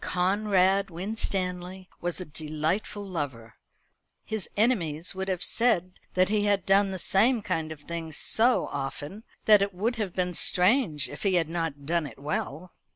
Conrad Winstanley was a delightful lover. His enemies would have said that he had done the same kind of thing so often, that it would have been strange if he had not done it well.